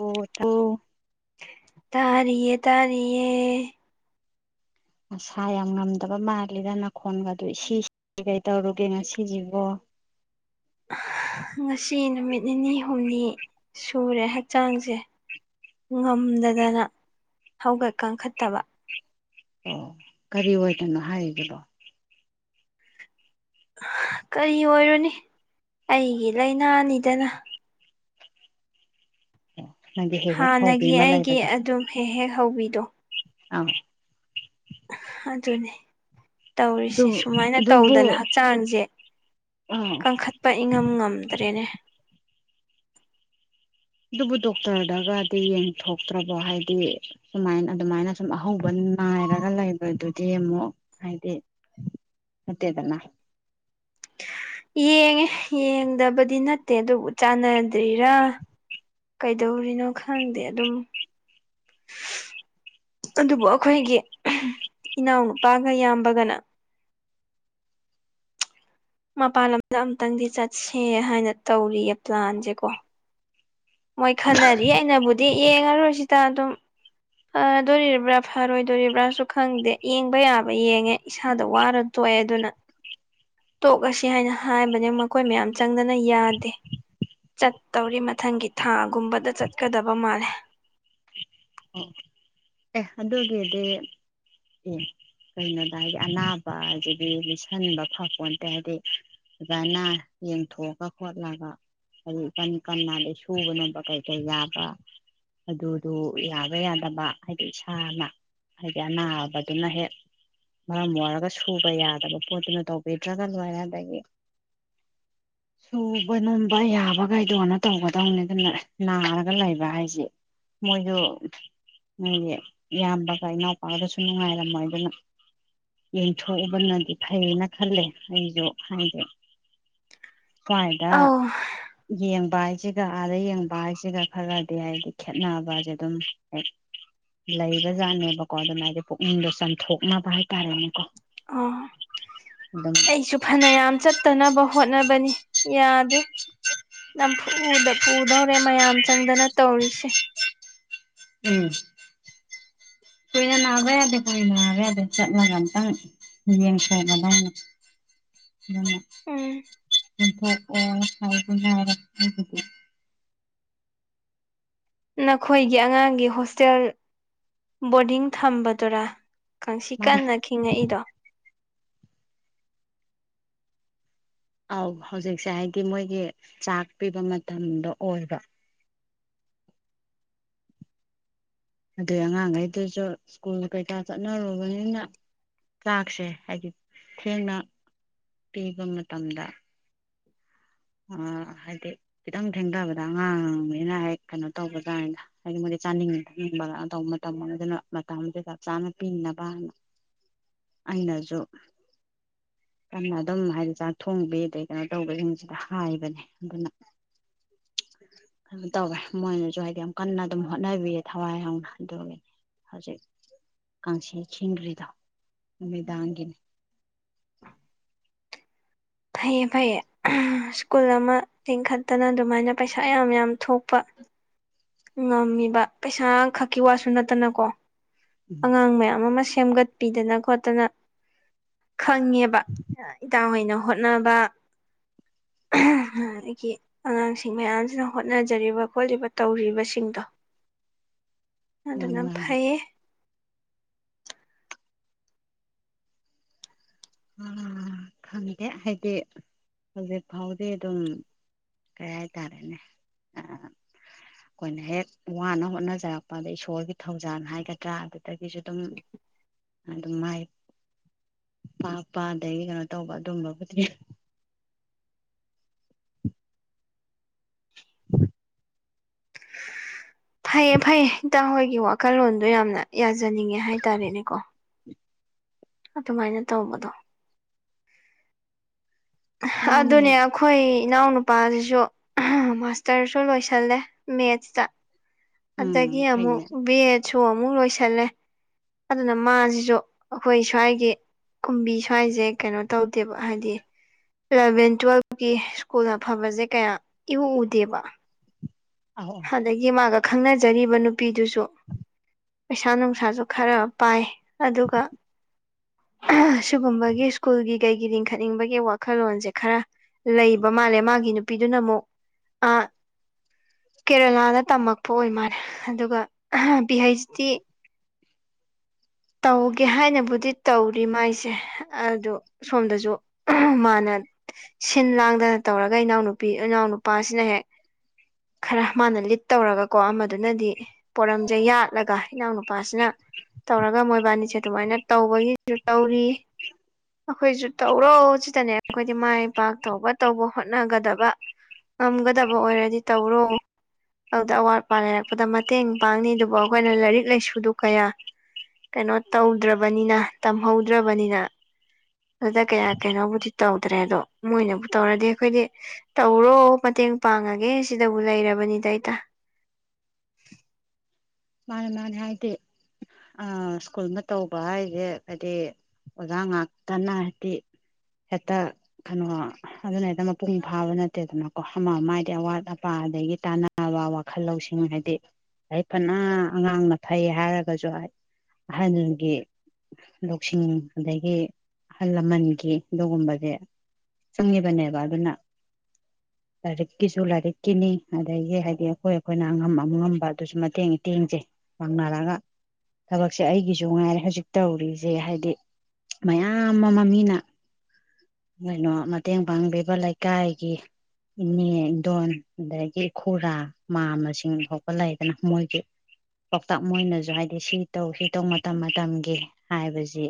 ꯑꯣ ꯇ ꯇꯥꯔꯤꯌꯦ ꯇꯥꯔꯤꯌꯦ ꯅꯁꯥ ꯌꯥꯝ ꯉꯝꯗꯕ ꯃꯥꯜꯂꯤꯗ ꯅꯅꯥꯈꯣꯟꯒꯗꯨ ꯏꯁꯤ ꯀꯩ ꯇꯧꯔꯨꯒꯦ ꯉꯁꯤꯁꯤꯕꯣ ꯉꯁꯤ ꯅꯨꯃꯤꯠ ꯅꯤꯅꯤ ꯍꯨꯝꯅꯤ ꯁꯨꯔꯦ ꯍꯛꯆꯥꯡꯁꯦ ꯉꯝꯗꯗꯅ ꯍꯧꯒꯠ ꯀꯥꯡꯈꯠꯇꯕ ꯑꯣ ꯀꯔꯤ ꯑꯣꯏꯗꯅꯣ ꯍꯥꯏꯈꯤꯕꯔꯣ ꯀꯔꯤ ꯑꯣꯏꯔꯨꯅꯤ ꯑꯩꯒꯤ ꯂꯥꯏꯅꯥꯅꯤꯗꯅ ꯑꯣ ꯅꯪꯗꯤ ꯍꯦꯛ ꯍꯦꯛ ꯍꯧꯕꯤ ꯍꯥꯟꯅꯒꯤ ꯑꯃ ꯑꯩꯒꯤ ꯂꯩꯕꯗꯣ ꯑꯗꯨꯝ ꯍꯦꯛ ꯍꯦꯛ ꯍꯧꯕꯤꯗꯣ [unintelligible] ꯑꯗꯨꯅꯦ ꯑꯗꯨ ꯇꯧꯔꯤꯁꯦ ꯁꯨꯃꯥꯏꯅ ꯑꯗꯨꯕꯨ ꯇꯧꯗꯅ ꯍꯛꯆꯥꯡꯁꯦ ꯑꯥ ꯀꯟꯈꯠꯄ ꯏꯪꯉꯝ ꯉꯝꯗ꯭ꯔꯦꯅꯦ ꯑꯗꯨꯕꯨ ꯗꯣꯛꯇꯔꯗꯒꯗꯤ ꯌꯦꯡꯊꯣꯛꯇ꯭ꯔꯕꯣ ꯍꯥꯏꯗꯤ ꯁꯨꯃꯥꯏ ꯑꯗꯨꯃꯥꯏꯅ ꯁꯨꯝ ꯑꯍꯧꯕ ꯅꯥꯏꯔꯒ ꯂꯩꯕꯗꯨꯗꯤ ꯑꯃꯨꯛ ꯍꯥꯏꯗꯤ ꯅꯠꯇꯦꯗꯅ ꯌꯦꯡꯉꯦ ꯌꯦꯡꯗꯕꯗꯤ ꯅꯠꯇꯦ ꯑꯗꯨꯕꯨ ꯆꯥꯟꯅꯗ꯭ꯔꯤꯔꯥ ꯀꯩꯗꯧꯔꯤꯅꯣ ꯈꯪꯗꯦ ꯑꯗꯨꯝ ꯑꯗꯨꯕꯨ ꯑꯩꯈꯣꯏꯒꯤ ꯏꯅꯥꯎꯅꯨꯄꯥꯒ ꯏꯌꯥꯝꯕꯒꯅ ꯃꯄꯥꯟ ꯂꯝꯗ ꯑꯨꯇꯪꯗꯤ ꯆꯠꯁꯦ ꯍꯥꯏꯅ ꯇꯧꯔꯤꯌꯦ ꯄ꯭ꯂꯥꯟꯁꯦꯀꯣ ꯃꯣꯏ ꯈꯟꯅꯔꯤ ꯑꯩꯅꯕꯨꯗꯤ ꯑꯗꯨꯗꯤ ꯌꯦꯡꯉꯔꯣꯏꯁꯤꯗ ꯑꯗꯨꯝ ꯐꯗꯣꯔꯤꯕ꯭ꯔꯥ ꯐꯔꯣꯏꯗꯣꯔꯤꯕ꯭ꯔꯥꯁꯨ ꯈꯪꯗꯦ ꯌꯦꯡꯕ ꯌꯥꯕ ꯌꯦꯡꯉꯦ ꯏꯁꯥꯗ ꯋꯥꯔ ꯇꯣꯛꯑꯦ ꯑꯗꯨꯅ ꯇꯣꯛꯂꯁꯤ ꯍꯥꯏꯅ ꯍꯥꯏꯕꯅꯤ ꯃꯈꯣꯏ ꯃꯌꯥꯝ ꯆꯪꯗꯅ ꯌꯥꯗꯦ ꯆꯠꯇꯧꯔꯤ ꯃꯊꯪꯒꯤ ꯊꯥꯒꯨꯝꯕꯗ ꯆꯠꯀꯗꯕ ꯃꯥꯜꯂꯦ ꯑꯣ ꯑꯦ ꯑꯗꯨꯒꯤꯗꯤ ꯑꯦ ꯀꯩꯅꯣꯗ ꯍꯥꯏꯗꯤ ꯑꯅꯥꯕ ꯍꯥꯏꯁꯤꯗꯤ ꯂꯤꯁꯤꯟꯕ ꯐꯄꯣꯟꯠꯇꯦ ꯍꯥꯏꯗꯤ ꯑꯣꯖ ꯑꯅꯥ ꯌꯦꯡꯊꯣꯛꯑꯒ ꯈꯣꯠꯂꯒ ꯍꯥꯏ ꯏꯀꯟ ꯀꯟꯗꯩ ꯁꯨꯕꯅꯣꯕ ꯀꯩ ꯀꯩ ꯌꯥꯕ ꯑꯗꯨꯗꯨ ꯌꯥꯕ ꯌꯥꯗꯕ ꯍꯥꯏꯗꯤ ꯏꯁꯥꯅ ꯍꯥꯏꯗꯤ ꯑꯅꯥꯕꯗꯨꯅ ꯍꯦꯛ ꯃꯔꯝ ꯑꯣꯏꯔꯒ ꯁꯨꯕ ꯌꯥꯗꯕ ꯄꯣꯠꯇꯨꯅ ꯇꯧꯕꯤꯗ꯭ꯔꯒ ꯂꯣꯏꯔꯦ ꯑꯗꯒꯤ ꯁꯨꯕ ꯅꯣꯝꯕ ꯌꯥꯕꯈꯩꯗꯣꯅ ꯇꯧꯒꯗꯧꯅꯤ ꯑꯗꯨꯅ ꯅꯥꯔꯒ ꯂꯩꯕ ꯍꯥꯏꯁꯦ ꯃꯣꯏꯁꯨ ꯅꯣꯏꯒꯤ ꯏꯌꯥꯝꯕꯒ ꯏꯅꯥꯎꯄꯥꯗꯁꯨ ꯅꯨꯡꯉꯥꯏꯔꯝꯃꯣꯏꯗꯅ ꯌꯦꯡꯊꯣꯛꯎꯕꯅꯗꯤ ꯐꯩꯅ ꯈꯜꯂꯦ ꯑꯩꯁꯨ ꯍꯥꯏꯗꯤ ꯀꯥꯏꯗ ꯑꯧ ꯌꯦꯡ ꯕꯥꯏꯁꯤꯒ ꯑꯥꯗ ꯌꯦꯡꯕ ꯍꯥꯏꯁꯤꯒ ꯈꯔꯗꯤ ꯍꯥꯏꯗꯤ ꯈꯦꯠꯅꯕꯁꯦ ꯑꯗꯨꯝ ꯍ ꯂꯩꯕ ꯖꯥꯠꯅꯦꯕꯀꯣ ꯑꯗꯨꯃ ꯍꯥꯏꯗꯤ ꯄꯨꯛꯅꯤꯡꯗꯣ ꯆꯥꯝꯊꯣꯛꯅꯕ ꯍꯥꯏꯇꯥꯔꯦꯅꯦꯀꯣ ꯑꯥ ꯑꯗꯨꯝ ꯑꯩꯁꯨ ꯐꯅꯌꯥꯝ ꯆꯠꯇꯅꯕ ꯍꯣꯠꯅꯕꯅꯤ ꯌꯥꯗꯦ ꯅꯝꯐꯨ ꯄꯨꯗꯧꯔꯦ ꯃꯌꯥꯝ ꯆꯪꯗꯅ ꯇꯧꯔꯤꯁꯦ ꯎꯝ ꯀꯨꯏꯅ ꯅꯥꯕꯥ ꯌꯥꯗ‌ꯦ ꯀꯨꯏꯅ ꯅꯥꯕꯥꯌꯥꯗ‌ꯦ ꯆꯠꯂꯒꯗꯪ ꯌꯦꯡ ꯁꯕꯗ ꯎꯝ ꯎꯝ [unintelligible] ꯅꯈꯣꯏꯒꯤ ꯑꯉꯥꯡꯒꯤ ꯍꯣꯁꯇꯦꯜ ꯕꯣꯔꯗꯤꯡ ꯊꯝꯕꯗꯨꯔꯥ ꯀꯪꯁꯤ ꯀꯟꯅ ꯈꯤꯡꯉꯛꯏꯗꯣ ꯑꯧ ꯍꯧꯖꯤꯛꯁꯦ ꯍꯥꯏꯗꯤ ꯃꯣꯏꯒꯤ ꯆꯥꯛ ꯄꯤꯕ ꯃꯇꯝꯗꯣ ꯑꯣꯏꯕ ꯑꯗꯨꯏ ꯑꯉꯥꯡꯈꯩꯗꯨꯁꯨ ꯁ꯭ꯀꯨꯜ ꯀꯩꯀꯥ ꯆꯠꯅꯔꯨꯕꯅꯤꯅ ꯆꯥꯛꯁꯦ ꯍꯥꯏꯗꯤ ꯊꯦꯡꯅ ꯄꯤꯕ ꯃꯇꯝꯗ ꯍꯥꯏꯗꯤ ꯈꯤꯇꯪ ꯊꯦꯡꯊꯕꯗ ꯑꯉꯥꯡꯅꯤꯅ ꯍꯦꯛ ꯀꯩꯅꯣ ꯇꯧꯕ ꯀꯥꯏꯅ ꯍꯥꯏꯗꯤ ꯃꯣꯏꯗꯤ ꯆꯥꯅꯤꯡ ꯊꯛꯅꯤꯡꯕ ꯇꯧꯕ ꯃꯇꯝ ꯑꯃ ꯑꯗꯨꯅ ꯃꯇꯝꯁ ꯆꯞ ꯆꯥꯅ ꯄꯤꯅꯕꯅ ꯑꯩꯅꯁꯨ ꯀꯟꯅ ꯑꯗꯨꯝ ꯍꯥꯏꯗꯤ ꯆꯥꯛ ꯊꯣꯡꯕꯤ ꯑꯗꯩ ꯀꯩꯅꯣ ꯇꯧꯕꯁꯤꯡꯁꯤꯗ ꯍꯥꯏꯕꯅꯦ ꯑꯗꯨꯅ ꯀꯩꯅꯣ ꯇꯧꯋꯦ ꯃꯣꯏꯅꯁꯨ ꯍꯥꯏꯗꯤ ꯌꯥꯝ ꯀꯟꯅ ꯑꯗꯨꯝ ꯍꯣꯠꯅꯕꯤꯌꯦ ꯊꯋꯥꯏ ꯌꯥꯎꯅ ꯑꯗꯨꯅꯤ ꯍꯧꯖꯤꯛ ꯀꯥꯡꯁꯤ ꯈꯤꯈ꯭ꯔꯤꯗꯣ ꯅꯨꯃꯤꯗꯥꯡꯒꯤꯅꯤ ꯐꯩꯌꯦ ꯐꯩꯌꯦ ꯁ꯭ꯀꯨꯜ ꯑꯃ ꯆꯤꯡꯈꯠꯇꯅ ꯑꯗꯨꯃꯥꯏꯅ ꯄꯩꯁꯥ ꯌꯥꯝ ꯌꯥꯝ ꯊꯣꯛꯄ ꯉꯝꯃꯤꯕ ꯄꯩꯁꯥ ꯈꯛꯀꯤ ꯋꯥꯁꯨ ꯅꯠꯇꯅꯀꯣ ꯎꯝ ꯑꯉꯥꯡ ꯃꯌꯥꯝ ꯑꯃꯥ ꯁꯦꯝꯒꯠꯄꯤꯗꯅ ꯈꯣꯠꯇꯅ ꯈꯪꯉꯦꯕ ꯏꯇꯥꯡ ꯍꯣꯏꯅ ꯍꯣꯠꯅꯕ ꯑꯗꯒꯤ ꯑꯉꯥꯡꯁꯤꯡ ꯃꯌꯥꯝꯁꯤꯅ ꯍꯣꯠꯅꯖꯔꯤꯕ ꯈꯣꯠꯂꯤ ꯇꯧꯔꯤꯕ ꯋꯥꯁꯤꯡꯇꯣꯟ ꯃꯥꯅꯦ ꯑꯗꯨꯅ ꯃꯥꯅꯦ ꯐꯩꯌꯦ ꯈꯪꯗꯦ ꯍꯥꯏꯗꯤ ꯍꯧꯖꯤꯛ ꯐꯥꯎꯗꯤ ꯑꯗꯨꯝ ꯀꯩ ꯍꯥꯏꯇꯥꯔꯦꯅꯦ ꯑꯩꯈꯣꯏꯅ ꯍꯦꯛ ꯋꯥꯅ ꯍꯣꯠꯅꯖꯔꯛꯄ ꯑꯗ ꯏꯁꯣꯔꯒꯤ ꯊꯧꯖꯥꯜ ꯍꯥꯏꯒꯗ꯭ꯔꯥ ꯑꯗꯨꯗꯒꯤꯁꯨ ꯑꯗꯨꯝ ꯑꯗꯨꯝ ꯃꯥꯏ ꯄꯥꯛꯄ ꯑꯗꯒꯤ ꯀꯩꯅꯣ ꯇꯧꯕ ꯑꯗꯨꯝꯕꯕꯨꯗꯤ [unintelligible] ꯐꯩꯌꯦ ꯐꯩꯌꯦ ꯏꯟꯇꯥ ꯍꯣꯏꯒꯤ ꯋꯥꯈꯜꯂꯣꯟꯗꯣ ꯌꯥꯝꯅ ꯌꯥꯖꯅꯤꯡꯉꯦ ꯍꯥꯏꯇꯥꯔꯦꯅꯦꯀꯣ ꯑꯗꯨꯃꯥꯏꯅ ꯇꯧꯕꯗꯣ ꯃꯥꯅꯦ ꯑꯗꯨꯅꯦ ꯑꯩꯈꯣꯏ ꯏꯅꯥꯎꯅꯨꯄꯥꯁꯤꯁꯨ ꯃꯥꯁꯇꯔꯁꯨ ꯂꯣꯏꯁꯜꯂꯦ ꯃꯦꯠꯁꯇ ꯎꯝ ꯑꯗꯒꯤ ꯑꯃꯨꯛ ꯐꯩꯅꯦ ꯁꯨ ꯑꯃꯨꯛ ꯂꯣꯏꯁꯜꯂꯦ ꯑꯗꯨꯅ ꯃꯥꯁꯤꯁꯨ ꯑꯩꯈꯣꯏ ꯁ꯭ꯋꯥꯏꯒꯤ ꯀꯨꯝꯕꯤ ꯁ꯭ꯋꯥꯏꯁꯦ ꯀꯩꯅꯣ ꯇꯧꯗꯦꯕ ꯍꯥꯏꯗꯤ ꯏꯂꯚꯦꯟ ꯇꯨꯋꯦꯜꯐꯀꯤ ꯁ꯭ꯀꯨꯜꯅ ꯐꯕꯁꯦ ꯀꯌꯥ ꯏꯎꯎꯗꯦꯕ ꯑꯧ ꯑꯧ ꯑꯗ ꯃꯥꯗ‌ꯣ ꯈꯪꯅꯖꯔꯤꯕ ꯅꯨꯄꯤ ꯅꯨꯄꯤꯗꯨꯁꯨ ꯄꯩꯁꯥ ꯅꯨꯡꯁꯥꯁꯨ ꯈꯔ ꯄꯥꯏ ꯑꯗꯨꯒ ꯁꯤꯨꯒꯨꯝꯕꯒꯤ ꯁ꯭ꯀꯨꯜꯒꯤ ꯀꯩꯒꯤ ꯂꯤꯡꯈꯠꯅꯤꯡꯕꯒꯤ ꯋꯥꯈꯜꯂꯣꯟꯁꯦ ꯈꯔ ꯂꯩꯕ ꯃꯥꯜꯂꯦ ꯃꯥꯒꯤ ꯅꯨꯄꯤꯗꯨꯅ ꯑꯃꯨꯛ ꯑ ꯀꯦꯔꯂꯥꯅ ꯇꯝꯃꯛꯄ ꯑꯣꯏ ꯃꯥꯜꯂꯦ ꯑꯗꯨꯒ ꯕꯤ ꯍꯩꯁꯇꯤ ꯇꯧꯒꯦ ꯍꯥꯏꯅꯕꯨꯗꯤ ꯇꯧꯔꯤ ꯃꯥꯏꯁꯦ ꯑꯗꯨ ꯁꯣꯝꯗꯁꯨ ꯃꯥꯅ ꯁꯤꯟ ꯂꯥꯡꯗꯅ ꯇꯧꯔꯒ ꯏꯅꯥꯎꯅꯨꯄꯤ ꯏꯅꯥꯎꯅꯄꯥꯁꯤꯅ ꯍꯦꯛ ꯈꯔ ꯃꯥꯅ ꯂꯤꯠ ꯇꯧꯔꯒꯀꯣ ꯑꯃꯗꯨꯅꯗꯤ ꯄꯣꯔꯝꯁꯦ ꯌꯥꯠꯂꯒ ꯏꯅꯥꯎꯅꯨꯄꯥꯁꯤꯅ ꯇꯧꯔ ꯃꯣꯏꯕꯥꯅꯤꯁꯦ ꯑꯗꯨꯃꯥꯏꯅ ꯇꯧꯕꯒꯤꯁꯨ ꯇꯧꯔꯤ ꯑꯩꯈꯣꯏꯁꯨ ꯇꯧꯔꯣ ꯁꯤꯗꯅꯦ ꯑꯩꯈꯣꯏꯗꯤ ꯃꯥꯏ ꯄꯥꯛ ꯇꯧꯕ ꯇꯧꯕ ꯍꯣꯠꯅꯒꯗꯕ ꯉꯝꯒꯗꯕ ꯑꯣꯏꯔꯗꯤ ꯇꯧꯔꯣ ꯑꯗꯨꯗ ꯑꯋꯥꯠ ꯑꯄꯥ ꯂꯩꯔꯛꯄꯗ ꯃꯇꯦꯡ ꯄꯥꯡꯅꯤ ꯑꯗꯨꯕꯨ ꯑꯩꯈꯣꯏꯅ ꯂꯥꯏꯔꯤꯛ ꯂꯥꯏꯁꯨꯗꯨ ꯀꯌꯥ ꯀꯩꯅꯣ ꯇꯧꯗ꯭ꯔꯕꯅꯤꯅ ꯇꯝꯍꯧꯗ꯭ꯔꯕꯅꯤꯅ ꯑꯗꯨꯗ ꯀꯌꯥ ꯀꯩꯅꯣꯕꯨꯗꯤ ꯇꯧꯗ꯭ꯔꯦ ꯑꯗꯣ ꯃꯣꯏꯅꯕꯨ ꯇꯧꯔꯗꯤ ꯑꯩꯈꯣꯏꯗꯤ ꯇꯧꯔꯣ ꯃꯇꯦꯡ ꯄꯥꯡꯉꯒꯦ ꯁꯤꯗꯕꯨ ꯂꯩꯔꯕꯅꯤꯗ ꯑꯩꯩꯇ ꯃꯥꯅꯤ ꯃꯥꯅꯦ ꯍꯥꯏꯗꯤ ꯁ꯭ꯀꯨꯜ ꯑꯃ ꯇꯧꯕ ꯍꯥꯏꯁꯦ ꯍꯥꯏꯗꯤ ꯑꯣꯖꯥ ꯉꯥꯛꯇꯅ ꯍꯥꯏꯗꯤ ꯍꯦꯛꯇ ꯀꯩꯅꯣ ꯑꯗꯨꯅ ꯍꯦꯛꯇ ꯃꯄꯨꯡ ꯐꯥꯕ ꯅꯠꯇꯦꯗꯅꯀꯣ ꯑꯃ ꯑꯃ ꯍꯥꯏꯗꯤ ꯑꯋꯥꯠ ꯑꯄꯥ ꯑꯗꯒꯤ ꯇꯥꯅꯕ ꯋꯥꯈꯜ ꯂꯧꯁꯤꯡ ꯍꯥꯏꯗꯤ ꯍ ꯐꯅ ꯑꯉꯥꯡꯅ ꯐꯩ ꯍꯥꯏꯔꯒꯁꯨ ꯑꯍꯜꯒꯤ ꯂꯧꯁꯤꯡ ꯑꯗꯒꯤ ꯑꯍꯜ ꯂꯃꯟꯒꯤ ꯑꯗꯨꯒꯨꯝꯕꯁꯦ ꯆꯪꯉꯤꯕꯅꯦꯕ ꯑꯗꯨꯅ ꯂꯥꯏꯔꯤꯛꯀꯤꯁꯨ ꯂꯥꯏꯔꯤꯛꯀꯤꯅꯤ ꯑꯗꯒꯤ ꯍꯥꯏꯗꯤ ꯑꯩꯈꯣꯏ ꯑꯩꯈꯣꯏꯅ ꯑꯉꯝ ꯑꯃꯉꯝꯕ ꯑꯗꯨꯁꯨ ꯃꯇꯦꯡ ꯃꯇꯦꯡꯁꯦ ꯄꯥꯡꯅꯔꯒ ꯊꯕꯛꯁꯦ ꯑꯩꯒꯤꯁꯨ ꯉꯥꯏꯔꯦ ꯍꯧꯖꯤꯛ ꯇꯧꯔꯤꯁꯦ ꯍꯥꯏꯗꯤ ꯃꯌꯥꯝ ꯑꯃ ꯃꯤꯅ ꯀꯩꯅꯣ ꯃꯇꯦꯡ ꯄꯥꯡꯕꯤꯕ ꯂꯩꯀꯥꯏꯒꯤ ꯏꯅꯦ ꯏꯟꯗꯣꯟ ꯑꯗꯒꯤ ꯏꯈꯨꯔꯥ ꯃꯥ ꯃꯁꯤꯡ ꯈꯥꯎꯄ ꯂꯩꯗꯅ ꯃꯣꯏꯒꯤ ꯄꯥꯎꯇꯥꯛ ꯃꯣꯏꯅꯁꯨ ꯍꯥꯏꯗꯤ ꯁꯤ ꯇꯧ ꯁꯤ ꯇꯧ ꯃꯇꯝ ꯃꯇꯝꯒꯤ ꯍꯥꯏꯕꯁꯤ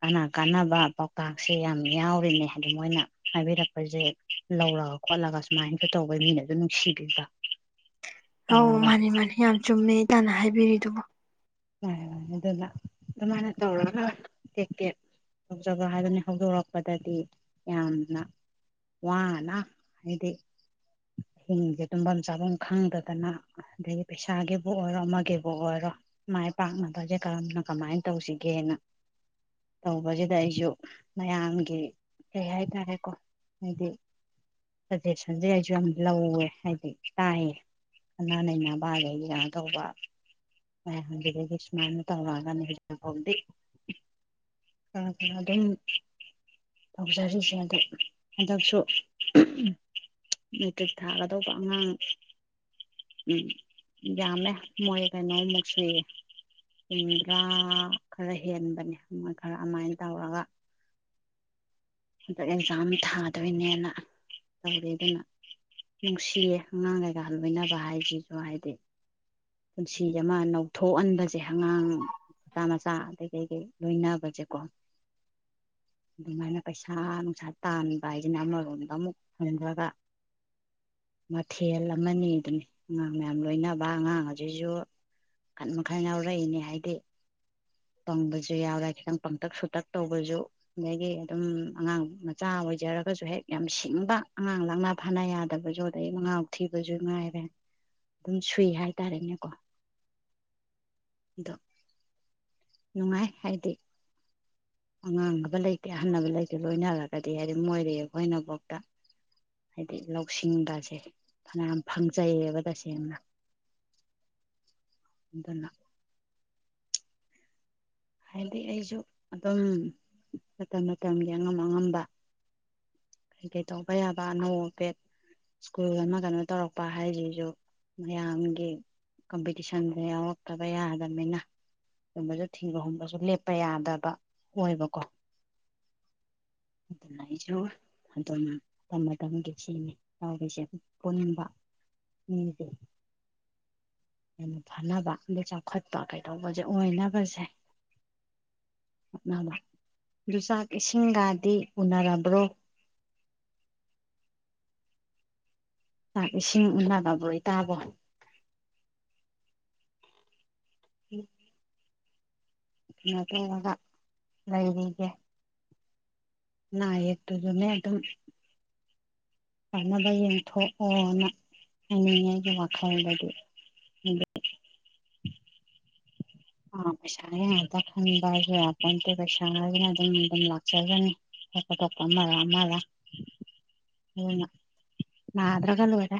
ꯀꯅꯥ ꯀꯥꯟꯅꯕ ꯄꯥꯎꯇꯥꯛꯁꯦ ꯌꯥꯝ ꯌꯥꯎꯔꯤꯅꯦ ꯑꯗꯨ ꯃꯣꯏꯅ ꯍꯥꯏꯕꯤꯔꯛꯄꯁꯦ ꯂꯧꯔꯒ ꯈꯣꯠꯂꯒ ꯁꯨꯃꯥꯏꯅꯁꯨ ꯇꯧꯕꯩ ꯃꯤꯅꯁꯨ ꯅꯨꯡꯁꯤꯕꯤꯕ ꯑꯧ ꯇꯧꯔꯒ ꯃꯥꯅꯤ ꯃꯥꯅꯤ ꯌꯥꯝ ꯆꯨꯝꯃ‌ꯦ ꯇꯅ ꯍꯥꯏꯕꯤꯔꯤꯗꯨꯕ‌ꯣ ꯌꯥꯏ ꯑꯗꯨꯅ ꯑꯗꯨꯃꯥꯏꯅ ꯇꯧꯔꯒ ꯇꯦꯛ ꯇꯦꯛ ꯇꯧꯖꯕ ꯍꯥꯏꯗꯨꯅꯤ ꯍꯧꯗꯣꯔꯛꯄꯗꯗꯤ ꯌꯥꯝꯅ ꯋꯥꯅ ꯍꯥꯏꯗꯤ ꯑꯍꯤꯡꯁꯦ ꯇꯨꯝꯐꯝ ꯆꯥꯐꯝ ꯈꯪꯗꯗꯅ ꯑꯗꯒꯤ ꯄꯩꯁꯥꯒꯤꯕꯨ ꯑꯣꯏꯔꯣ ꯑꯃꯒꯤꯕꯨ ꯑꯣꯏꯔꯣ ꯃꯥꯏ ꯄꯥꯛꯅꯕꯁꯦ ꯀꯔꯝꯅ ꯀꯃꯥꯏꯅ ꯇꯧꯁꯤꯒꯦꯅ ꯇꯧꯕꯁꯤꯗ ꯑꯩꯁꯨ ꯃꯌꯥꯝꯒꯤ ꯀꯩ ꯍꯥꯏꯇꯥꯔꯦꯀꯣ ꯍꯥꯏꯗꯤ ꯁꯖꯦꯁꯟꯁꯦ ꯑꯩꯁꯨ ꯌꯥꯝ ꯂꯧꯋꯦ ꯍꯥꯏꯗꯤ ꯇꯥꯏꯌꯦ ꯈꯅꯥ ꯅꯩꯅꯕ ꯑꯗꯒꯤ ꯀꯩꯅꯣ ꯇꯧꯕ ꯌꯥꯕꯤꯗꯒꯤ ꯁꯨꯃꯥꯏꯅ ꯇꯧꯔꯛꯑꯒꯅꯦ ꯍꯧꯖꯤꯛ ꯐꯥꯎꯗꯤ ꯈꯔ ꯈꯔ ꯑꯗꯨꯝ ꯇꯧꯖꯔꯤꯁꯦ ꯑꯗꯣ ꯍꯟꯗꯛꯁꯨ ꯃꯦꯇ꯭ꯔꯤꯛ ꯊꯥꯒꯗꯧꯕ ꯑꯉꯥꯡ ꯎ ꯌꯥꯝꯃꯦ ꯃꯣꯏ ꯀꯩꯅꯣꯝꯃ [unintelligible] ꯍꯨꯝꯗ꯭ꯔꯥ ꯈꯔ ꯍꯦꯟꯕꯅꯦ ꯈꯔ ꯑꯗꯨꯃꯥꯏꯅ ꯇꯧꯔꯒ ꯍꯟꯗꯛ ꯑꯦꯛꯖꯥꯝ ꯊꯥꯗꯣꯏꯅꯦꯅ ꯇꯧꯋ ꯑꯗꯨꯅ ꯅꯨꯡꯁꯤꯌꯦ ꯑꯉꯥꯡ ꯀꯩꯀꯥ ꯂꯣꯏꯅꯕ ꯍꯥꯏꯁꯤꯁꯨ ꯍꯥꯏꯗꯤ ꯄꯨꯟꯁꯤ ꯑꯃ ꯅꯧꯊꯣꯛꯍꯟꯕꯁꯦ ꯑꯉꯥꯡ ꯃꯆꯥ ꯃꯆꯥ ꯑꯗꯩ ꯀꯩꯀꯩ ꯂꯣꯏꯅꯕꯁꯦꯀꯣ ꯑꯗꯨꯃꯥꯏꯅ ꯄꯩꯁꯥ ꯅꯨꯡꯁꯥ ꯇꯥꯟꯕ ꯍꯥꯏꯁꯤꯅ ꯑꯃꯔꯣꯝꯗ ꯑꯃꯨꯛ ꯍꯟꯈ꯭ꯔꯒ ꯃꯊꯦꯜ ꯑꯃꯅꯤ ꯑꯗꯨꯅꯤ ꯑꯉꯥꯡ ꯃꯌꯥꯝ ꯂꯣꯏꯅꯕ ꯑꯉꯥꯡ ꯑꯁꯤꯁꯨ ꯈꯟ ꯃꯈꯥꯏ ꯌꯥꯎꯔꯛꯏꯅꯦ ꯍꯥꯏꯗꯤ ꯄꯪꯕꯁꯨ ꯌꯥꯎꯔꯦ ꯈꯤꯇꯪ ꯄꯪꯇꯛ ꯁꯨꯇꯛ ꯇꯧꯕꯁꯨ ꯑꯗꯒꯤ ꯑꯗꯨꯝ ꯑꯉꯥꯡ ꯃꯆꯥ ꯑꯣꯏꯖꯔꯒꯁꯨ ꯍꯦꯛ ꯌꯥꯝ ꯁꯤꯡꯕ ꯑꯉꯥꯡ ꯂꯥꯡꯅꯥ ꯐꯥꯅ ꯌꯥꯗꯕꯁꯨ ꯑꯗꯩ ꯃꯉꯥꯎ ꯊꯤꯕꯁꯨ ꯉꯥꯏꯔꯦ ꯑꯗꯨꯝ ꯁꯨꯏ ꯍꯥꯏꯇꯥꯔꯦꯅꯦꯀꯣ ꯑꯗꯣ ꯅꯨꯡꯉꯥꯏ ꯍꯥꯏꯗꯤ ꯑꯉꯥꯡꯕ ꯂꯩꯇꯦ ꯑꯍꯟꯅꯕ ꯂꯩꯇꯦ ꯂꯣꯏꯅꯔꯒꯗꯤ ꯍꯥꯏꯗꯤ ꯃꯣꯏꯔꯦ ꯑꯩꯈꯣꯏꯅꯐꯥꯎꯗ ꯍꯥꯏꯗꯤ ꯂꯧꯁꯤꯡꯗꯁꯦ ꯐꯅꯌꯥꯝ ꯐꯪꯖꯩꯌꯦꯕ ꯇꯁꯦꯡꯅ ꯑꯗꯨꯅ ꯍꯥꯏꯗꯤ ꯑꯩꯁꯨ ꯑꯗꯨꯝ ꯃꯇꯝ ꯃꯇꯝꯒꯤ ꯑꯉꯝ ꯑꯉꯝꯕ ꯀꯩꯀꯩ ꯇꯧꯕ ꯌꯥꯕ ꯑꯅꯧ ꯑꯄꯦꯠ ꯁ꯭ꯀꯨꯜ ꯑꯃ ꯀꯩꯅꯣ ꯇꯧꯔꯛꯄ ꯍꯥꯏꯁꯤꯁꯨ ꯃꯌꯥꯝꯒꯤ ꯀꯝꯄꯤꯇꯤꯁꯟꯗ ꯌꯥꯎꯔꯛꯇꯕ ꯌꯥꯗꯕꯅꯤꯅ ꯑꯗꯨꯝꯕꯁꯨ ꯊꯤꯕꯒꯨꯝꯕꯁꯨ ꯂꯦꯞꯄ ꯌꯥꯗꯕ ꯑꯣꯏꯕꯀꯣ ꯑꯗꯨꯅ ꯑꯩꯁꯨ ꯑꯗꯨꯅ ꯃꯇꯝ ꯃꯇꯝꯒꯤ ꯁꯤꯅꯤ ꯌꯥꯔꯤꯁꯦ ꯄꯨꯟꯕ ꯃꯤꯁꯦ ꯌꯥꯝꯦꯟꯅ ꯐꯅꯕ ꯑꯩ ꯆꯥꯎꯈꯠꯄ ꯀꯩꯗꯧꯕꯁꯦ ꯑꯣꯏꯅꯕꯁꯦ ꯍꯣꯠꯅꯕ ꯑꯗꯨ ꯆꯥꯛ ꯏꯁꯤꯡꯒꯗꯤ ꯎꯅꯔꯕ꯭ꯔꯣ ꯂꯥꯛ ꯏꯁꯤꯡ ꯎꯂꯕꯕꯣꯏ ꯇꯥꯕꯣ ꯎꯝ ꯃꯒ ꯂꯩꯏꯔꯤꯒ ꯅꯥꯏꯌꯦ ꯇꯨꯁꯨ ꯅ ꯑꯗꯨꯝ ꯀꯥꯟꯅꯕ ꯌꯦꯡꯊꯣꯛꯑꯣꯅ ꯍꯥꯏꯅꯤꯡꯉꯥꯏꯒꯤ ꯋꯥꯈꯜꯗꯗꯤ ꯑꯗꯨ ꯑꯥ ꯄꯩꯁꯥꯅ ꯉꯥꯛꯇ ꯈꯟꯕ ꯍꯥꯏꯁꯨ ꯌꯥꯄꯇꯦ ꯄꯩꯁꯥ ꯍꯥꯏꯒꯅ ꯑꯗꯨꯝ ꯑꯗꯨꯝ ꯂꯥꯛꯆꯒꯅꯤ ꯑꯇꯣꯞꯄ ꯑꯃꯒ ꯑꯃꯒ ꯑꯗꯨꯅ ꯅꯥꯗ꯭ꯔꯒ ꯂꯣꯏꯔꯦ